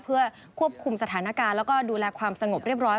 เพื่อควบคุมสถานการณ์แล้วก็ดูแลความสงบเรียบร้อย